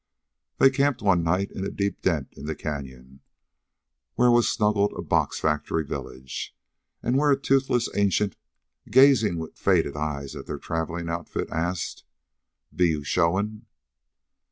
They camped one night in a deep dent in the canyon, where was snuggled a box factory village, and where a toothless ancient, gazing with faded eyes at their traveling outfit, asked: "Be you showin'?"